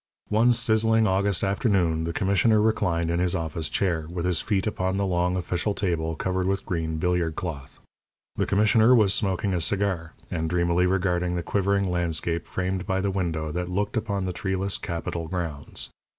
One sizzling August afternoon the commissioner reclined in his office chair, with his feet upon the long, official table covered with green billiard cloth. The commissioner was smoking a cigar, and dreamily regarding the quivering landscape framed by the window that looked upon the treeless capitol grounds.